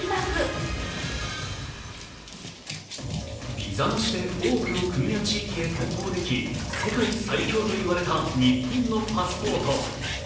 ビザなしで多くの国や地域へ渡航でき世界最強と言われた日本のパスポート。